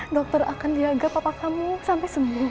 dokter akan liaga papa kamu sampe sembuh ya